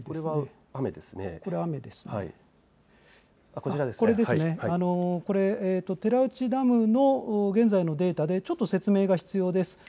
こちらが寺内ダムの現在のデータでちょっと説明が必要です。